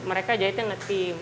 mereka jahitnya nge team